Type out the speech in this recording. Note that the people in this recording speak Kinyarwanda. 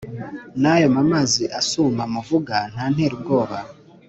nayo m’amazi asuma muvuga ntantera ubwoba